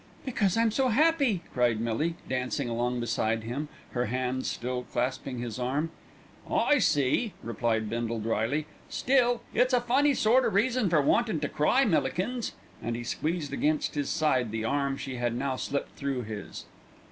"Because I'm so happy," cried Millie, dancing along beside him, her hands still clasping his arm. "I see," replied Bindle drily; "still, it's a funny sort o' reason for wantin' to cry, Millikins;" and he squeezed against his side the arm she had now slipped through his.